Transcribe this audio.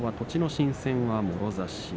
心戦はもろ差し。